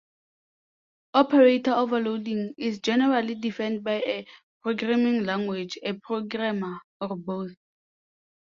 Operator overloading is generally defined by a programming language, a programmer, or both.